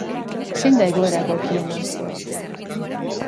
Zein da egoera egokiena?